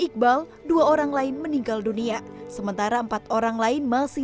iqbal dua orang lain meninggal dunia sementara empat orang lain masih